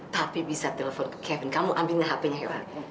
tapi bisa telepon ke kevin kamu ambil hp nya hewan